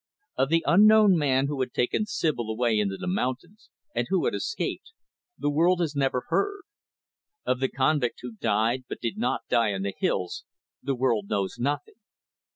Of the unknown man who had taken Sibyl away into the mountains, and who had escaped, the world has never heard. Of the convict who died but did not die in the hills, the world knows nothing.